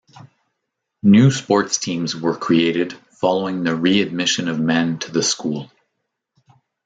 New sports teams were created following the readmission of men to the school.